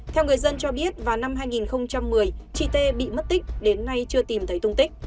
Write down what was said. theo người dân cho biết vào năm hai nghìn một mươi chị tê bị mất tích đến nay chưa tìm thấy tung tích